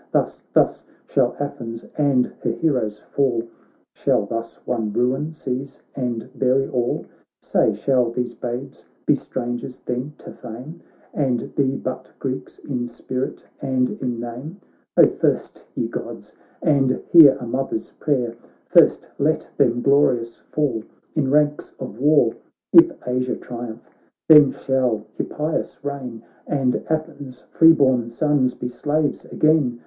Thus — thus — shall Athens andher heroes fall, Shall thus one ruin seize and bury all 1 Say, shall these babes be^strangers then to fame, And be butGreeks in spirit and in name ? Oh, first, ye Gods I and hear a mother's prayer. First let them glorious fall in ranks of war ! If Asia triumph, then shall Hippias reign, And Athens' free born sons be slaves again